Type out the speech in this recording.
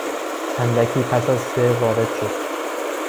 اندکی پس از سه وارد شد.